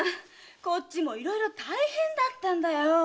こっちもいろいろ大変だったんだよォ！